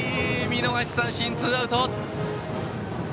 見逃し三振でツーアウト。